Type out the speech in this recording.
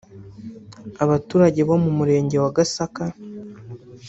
Abaturage bo mu murenge wa Gasaka